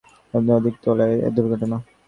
ধারণক্ষমতার অধিক যাত্রী তোলায় এ দুর্ঘটনা।